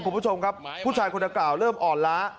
คุณผู้ชมครับผู้ชายคนดังกล่าวเริ่มอ่อนล้า